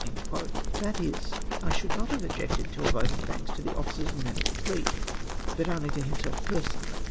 '" {Minutes, p. 107.) That Is — I should not have objected to a vote of thanks to the officers and men of the fleet, but only to liimseif pe7'so)ially.